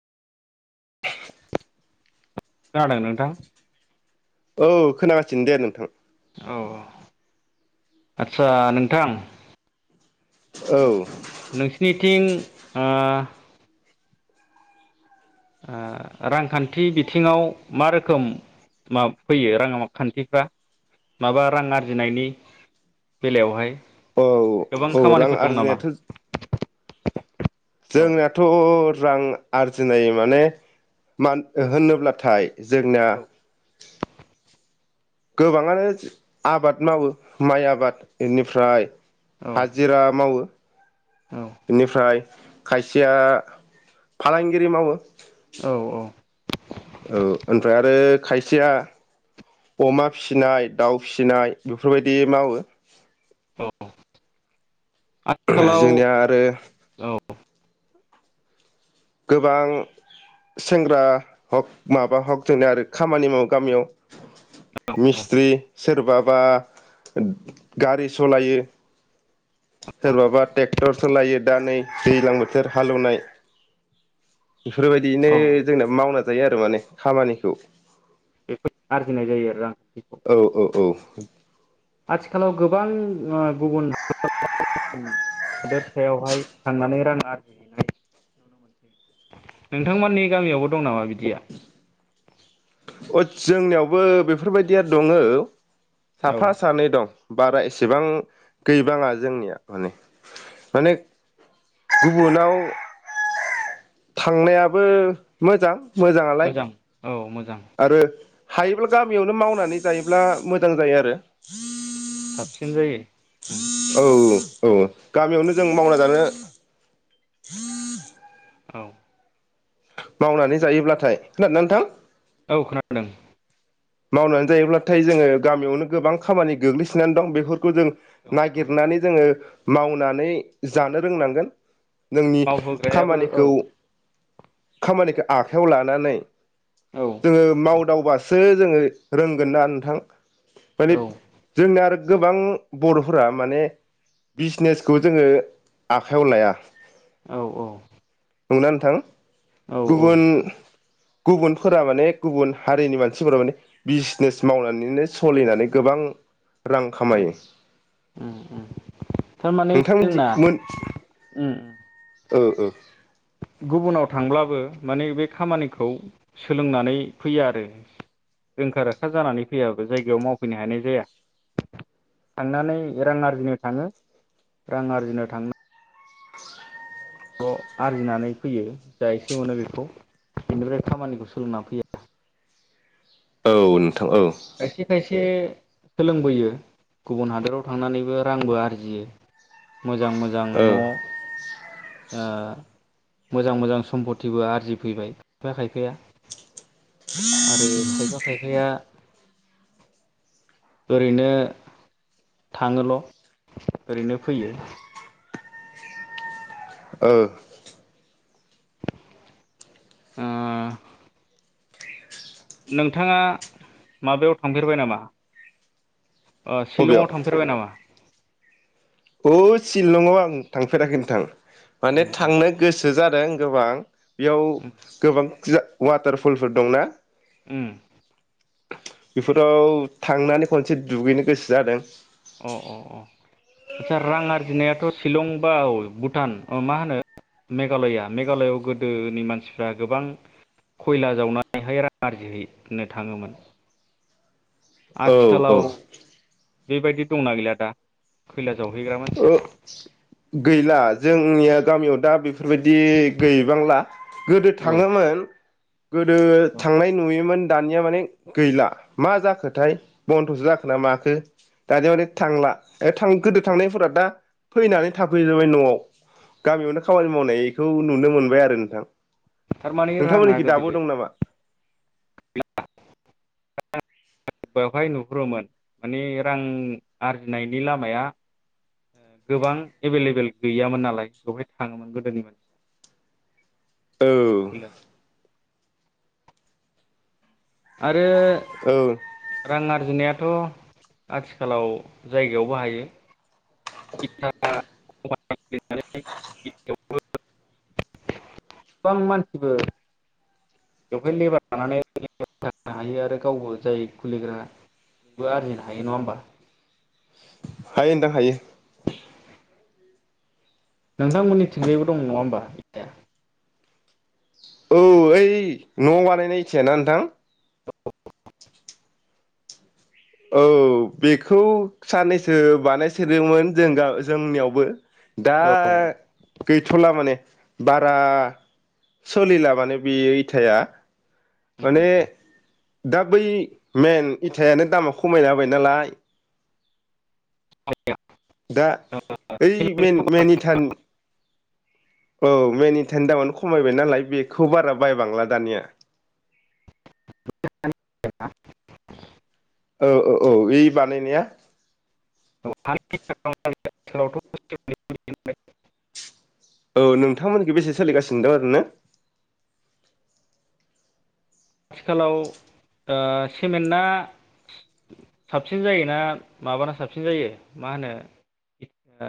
खोनादों नोंथां? औ खोनागासिनो दे नोंथां । औ औ आचसा नोंथां? औ । नोंसिनिथिं ओ ओ रांखान्थि बिथिङाव मा रोखोम मा फैयो रां खान्थिफ्रा माबा रां आरजिनायनि बेलायावहाय? औ गोबां औ रां खामानिफोर दं नामा आरजिनायाथ औ जोंनाथ रां आरजिनाय माने मान होनोब्लाथाय जोंना गोबाङानो आबाद मावो माइ आबाद इनिफ्राय औ हाजिरा मावो औ इनिफ्राय खायसेया फालांगिरि मावो । औ औ । औ ओमफ्राय आरो खायसेया अमा फिसिनाय दाउ फिसिनाय बेफोरबायदि मावो । औ । [unintelligible] जोंनिया आरो [unintelligible] गोबां सेंग्रा हक माबा हक जोंना आरो खामानि मावो गामियाव । मिस्ट्रि सोरबा बा गारि सलायो । सोरबाबा टेक्टर सलायो दा नै दैज्लां बोथोर हालौनाय । बेफोरबायदिनो औ जोंना मावना जायो आरो माने । खामानिखौ । [unintelligible] आरजिनाय जायो आरो [unintelligible] औ औ औ । [unintelligible] आथिखालाव गोबां ओ गुबुन [unintelligible] सायावहाय थांनानै रां [unintelligible] नोंथांमोननि गामियावबो दं नामा बिदिया? अ जोंनियावबो बेफोरबायदिया दङो । औ साफा सानै दं । बारा एसेबां गैबाङा जोंनिया माने माने गुबुनाव थांनायाबो मोजां । मोजाङालाय । मोजां औ मोजां । हायोब्ला गामियावनो मावनानै जायोब्ला मोजां जायो आरो । साबसिन जायो उम । औ औ गामियावनो जों मावना जानो औ । मावनानै जायोब्लाथाय खोनादोना नोंथां? औ खोनादों। मावनानै जायोब्लाथाय जोङो गामियावनो गोबां खामानि गोग्लैसानै दं बेफोर खौ जों औ औ नागिरनानै जोङो मावनानै जानो रोंनांगोन । नोंनि मावहोग्रायाबो औ खामानिखौ खामानिखौ आखाइयाव लानानै औ जोङो मावदावबासो जोंङो रोंगोन ना नोंथां। औ माने जोंना आरो गोबां बरफोरा माने बिजनेसखौ जोंङो आखाइयाव लाया औ औ नंगौना नोंथां? औ औ गुबुन गुबुनफोरा माने गुबुन हारिनि मानसिफोरा माने बिजनेस मावनानैनो सोलिनानै गोबां रां खामायो उम उम थारमाने नोंथां जोंना उम ओ ओ गुबुनाव थांब्लाबो माने बे खामानिखौ सोलोंनानै फैया आरो रोंखा राखा जानानै फैयाबो जायगायाव मावफैनो हानाय जाया थांनानै रां आरजिनो थाङो रां आरजिनो थां आरजिनानै फैयो जा एसे मोनो बेखौ बेनिफ्राय खामानिखौ सोलोंनानै फैया औ नों खायसे खायसे सोलोंबोयो गुबुन हादोराव थांनानैबो रांबो आरजियो। मोजां मोजां ओ न मोजां मोजां सम्पतिबो आरजिफैबाय खायफा खायफाया आरो खायफा खायफाया ओरैनो थांङोल ओरैनो फैयो ओ [inaudible] ओ नोंथांङा माबायाव थांफेरबाय नामा? ओ शिलंआव बबेयाव थांफेरबाय नामा? औ शिलंआव आं थांफेराखै नोंथां माने उम थांनो गोसो जादों। दों‌ गोबां बेयाव उम गोबां जा वाटारफलफोर दंना उम बेफोराव थांनानै खनसे दुगैनो गोसो जादों अ अ अ आदसा रां आरजिनायाथ शिलं बा औ भुटान मा होनो मेघालया मेघालआव गोदोनि मानसिफ्रा गोबां खयला जावनानैहाय रां आरजिहैनो थाङोमोन। औ आथिखालाव औ बेबायदि दंना गैला दा खैला जावहैग्रा मानसिया अ गैला जोंनिया गामियाव दा बे गैबांला गोदो औ थांङोमोन गोदो थांनाय नुयोमोन। दानिया माने गैला मा जाखोथाय बन्दसो जाखो ना माखो दानिया माने थांला थां गोदो थांनायफोरा दा फैनानै थाफैजोबबाय न'आव गामियावनो खामानि मावनायखौ नुनो मोनबाय आरो नोंथां थारमाने राङा नोंथांमोनथिं गोदो दाबो दं नामा? बेवहाय नुहरोमोन माने रां आरजिनायनि लामाया गोबां एभेलएभेल गैयामोन नालाय बेवहाय थाङोमोन गोदोनि मानसिया औ [unintelligible] ओ औ रां आरजिनाया दाथ' आथिखालाव जायगायावबो हायो। [unintelligible] बेवहाय लेबार लानानैनो हायो आरो गावबो जाय खुलिग्रा बेबो आरजिनो हायो नङा होमबा हायो नोंथां हायो। नोंथांमोननि थिंजायबो दं नङा होमबा न'आव बानायनाय इथायाना नोंथां औ बेखौ साननैसो बानायसोदोंमोन जों गाम जोंनियावबो दा औ गैथ'ला माने बारा सोलिलाबानो बे इथाया माने दा बै मेन इथायानो दामा खमायना हाबाय नालाय। औ दा ओइ मेन मेन इथान औ मेन इथानि दामानो खमायबाय नालाय बेखौ बारा बायबांला दानिया। [unintelligible] औ औ औ बानायनाया [unintelligible] औ नोंथांमोनख बेसे सोलिगासिनो दं आरोयैनो आथिखालाव ओ सिमेन्टआ साबसिन जायोना माबाना साबसिन जायो मा होनो